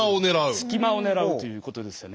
隙間を狙うということですよね。